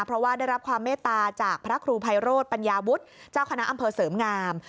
เพราะว่าได้รับความเมตตาจากพระครูไพโรธปัญญาวุฒิเจ้าคณะอำเภอเสริมงาม